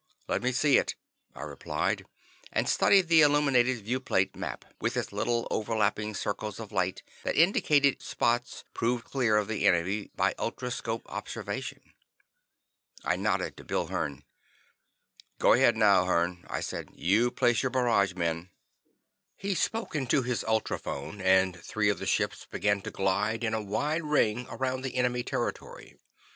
"Let me see it," I replied, and studied the illuminated viewplate map, with its little overlapping circles of light that indicated spots proved clear of the enemy by ultroscopic observation. I nodded to Bill Hearn. "Go ahead now, Hearn," I said, "and place your barrage men." He spoke into his ultrophone, and three of the ships began to glide in a wide ring around the enemy territory.